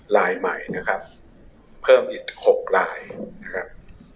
ลายใหม่นะครับเพิ่มอีก๖ลายนะครับ